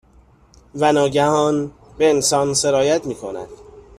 و ناگهان، به انسان سرایت میکند